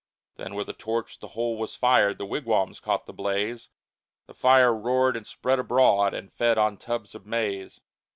Then with a torch the whole was fired, The wigwams caught the blaze, The fire roared and spread abroad And fed on tubs of maize.